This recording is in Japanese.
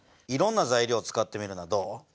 いろんな材料を使ってみるのはどう？